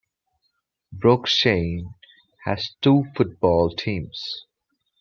Broughshane has two football teams.